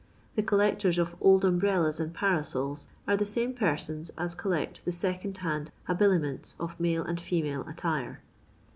The collectors of Old Umbrellas and Parasols are the same persons as collect the second hand habiliments of male and female attire.